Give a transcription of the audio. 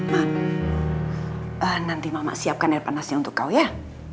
ah nanti mama siapkan air panasnya untuk kau ya